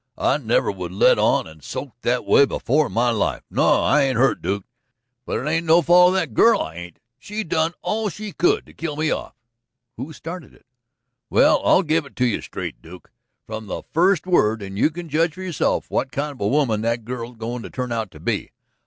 "I never was led on and soaked that way before in my life. No, I ain't hurt, Duke, but it ain't no fault of that girl I ain't. She done all she could to kill me off." "Who started it?" "Well, I'll give it to you straight, Duke, from the first word, and you can judge for yourself what kind of a woman that girl's goin' to turn out to be.